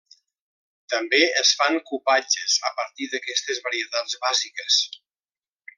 També es fan cupatges a partir d'aquestes varietats bàsiques.